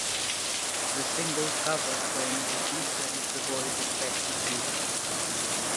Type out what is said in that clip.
The single cover claims Leticia is "The voice of Passion Fruit".